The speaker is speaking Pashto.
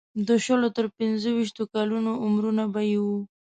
د شلو تر پنځه ویشتو کلونو عمرونه به یې وو.